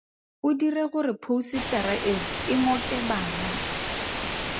O dire gore phousetara eo e ngoke bana.